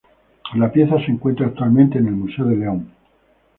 La pieza se encuentra actualmente en el Museo de León.